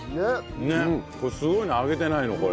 これすごいね揚げてないのこれ。